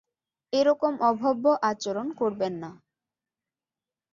এরকম অভব্য আচরণ করবেন না!